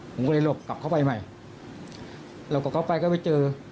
ผมก็เลยหลบกลับเข้าไปใหม่หลบกลับเข้าไปก็ไปเจอ